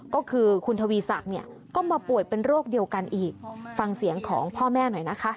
ก็คือคุณทวีศักดิ์เนี่ยก็มาป่วยเป็นโรคเดียวกันอีกฟังเสียงของพ่อแม่หน่อยนะคะ